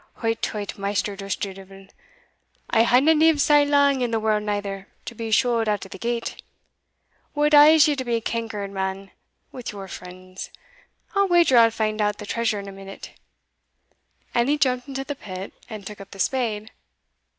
"Hout, tout, Maister Dusterdeevil, I haena lived sae lang in the warld neither, to be shuled out o't that gate. What ails ye to be cankered, man, wi' your friends? I'll wager I'll find out the treasure in a minute;" and he jumped into the pit, and took up the spade.